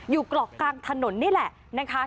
กรอกกลางถนนนี่แหละนะคะ